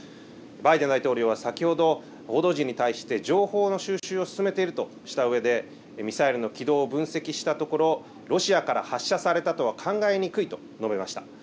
バイデン大統領は先ほど報道陣に対して情報の収集を進めているとしたうえでミサイルの軌道を分析したところ、ロシアから発射されたとは考えにくいと述べました。